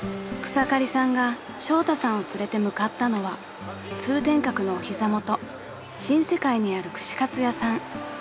［草刈さんがショウタさんを連れて向かったのは通天閣のお膝元新世界にある串カツ屋さん］